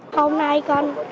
hôm nay con